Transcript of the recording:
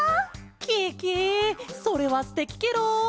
ケケそれはすてきケロ！